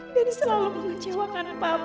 dan selalu mengecewakan papa